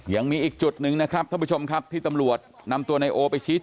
ยังมีอีกจุดหนึ่งนะครับท่านผู้ชมครับที่ตำรวจนำตัวนายโอไปชี้